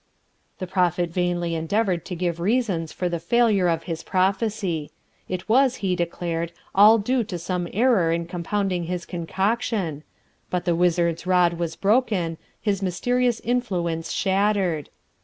The Prophet vainly endeavoured to give reasons for the failure of his prophecy; it was, he declared, all due to some error in compounding his concoction; but the wizard's rod was broken, his mysterious influence shattered.